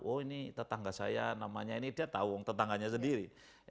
oh ini tetangga saya namanya ini dia tahu tetangganya sendiri